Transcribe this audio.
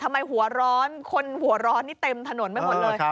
หัวร้อนคนหัวร้อนนี่เต็มถนนไปหมดเลย